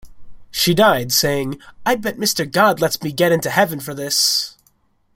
She died saying, 'I bet Mister God lets me get into heaven for this'.